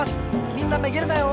みんなめげるなよ！